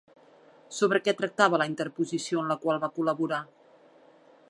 Sobre què tractava la interposició en la qual va col·laborar?